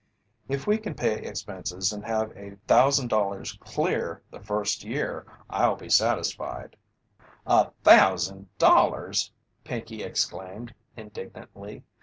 "If we can pay expenses and have a $1,000 clear the first year, I'll be satisfied." "A thousand dollars!" Pinkey exclaimed, indignantly.